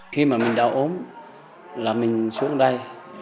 khi mà mình đau ốm là mình xuống đây